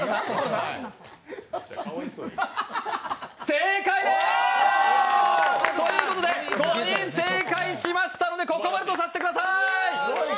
正解です！ということで５人正解しましたのでここまでとさせてください！